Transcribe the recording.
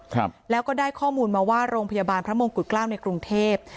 ครับแล้วก็ได้ข้อมูลมาว่าโรงพยาบาลพระมงกุฎเกล้าในกรุงเทพ